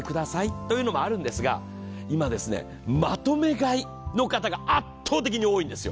というのも、今まとめ買いの方が圧倒的に多いんですよ。